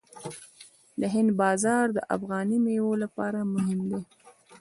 د هند بازار د افغاني میوو لپاره مهم دی.